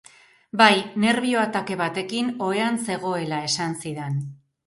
Bai, nerbio-atake batekin ohean zegoela esan zidan.